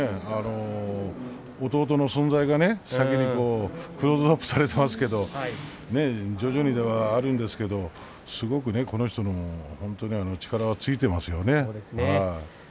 弟の存在がクローズアップされてますけれど徐々にではありますけどもこの人も力、ついてますよ。